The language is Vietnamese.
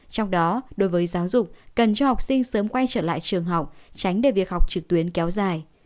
trong đó đối với giáo dục cần cho học sinh sớm quay trở lại trường học tránh để việc học trực tuyến kéo dài